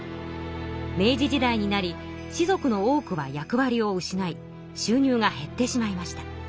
明治時代になり士族の多くは役わりを失い収入が減ってしまいました。